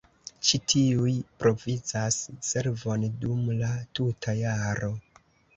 Ĉi tiuj provizas servon dum la tuta jaro.